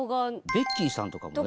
ベッキーさんとか？